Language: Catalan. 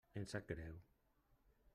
Em sap greu.